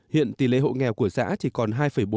hiện tỷ lệ hộ nghèo của xã chỉ còn hai bốn